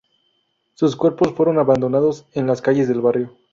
Sus cuerpos fueron abandonados en las calles del barrio.